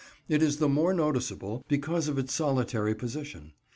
It is the more noticeable because of its solitary position.